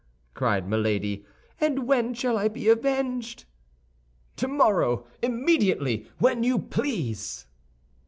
cried Milady; "and when shall I be avenged?" "Tomorrow—immediately—when you please!"